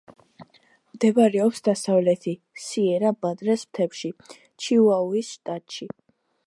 მდებარეობს დასავლეთი სიერა-მადრეს მთებში, ჩიუაუის შტატში.